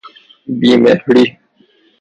بی مهری